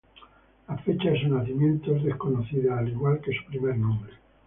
La fecha de su nacimiento es desconocida, al igual que su primer nombre.